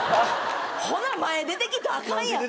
ほな前出てきたらあかんやん。